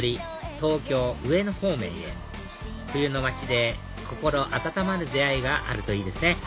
東京上野方面へ冬の街で心温まる出会いがあるといいですね